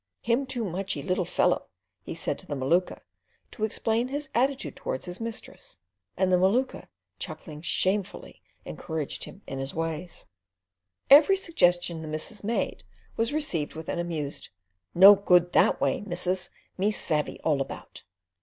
"Him too muchee little fellow," he said to the Maluka, to explain his attitude towards his mistress; and the Maluka, chuckling, shamefully encouraged him in his ways. Every suggestion the missus made was received with an amused: "No good that way, missus! Me savey all about."